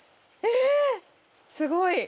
えっすごい。